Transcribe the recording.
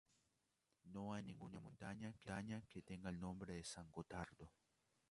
No hay ninguna montaña que tenga el nombre de San Gotardo.